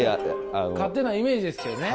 勝手なイメージですけどね